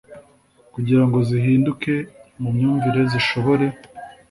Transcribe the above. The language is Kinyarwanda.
kugirango zihinduke mu myumvire zishobore